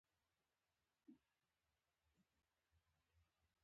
شيرين بغلان ته په پرته لاره مشهور هوټل دی.